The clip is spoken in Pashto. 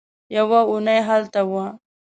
يوه اوونۍ هلته وه.